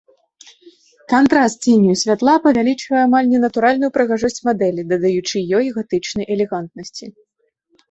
Кантраст ценю і святла павялічвае амаль ненатуральную прыгажосць мадэлі, дадаючы ёй гатычнай элегантнасці.